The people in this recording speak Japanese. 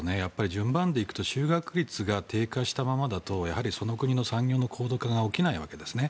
順番で行くと就学率が低下したままだとその国の産業の高度化が起きないわけですね。